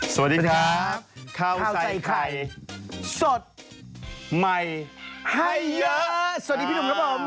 สวัสดีครับข้าวใส่ไข่สดใหม่ให้เยอะสวัสดีพี่หนุ่มครับผม